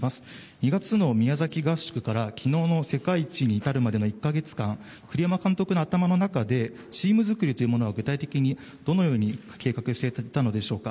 ２月の宮崎合宿から昨日の世界一に至るまでの１か月間栗山監督の頭の中でチーム作りは具体的にどのように計画していたのでしょうか。